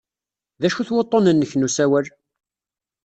D acu-t wuḍḍun-nnek n usawal?